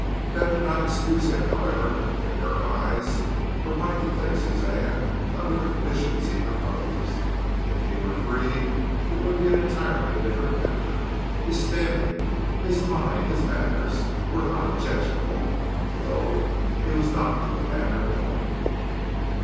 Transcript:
This did not excuse him, however, in her eyes for wanting to take Suzanne under the conditions he proposed. If he were free, it would be an entirely different matter. His standing, his mind, his manners, were not objectionable, though he was not to the manner born.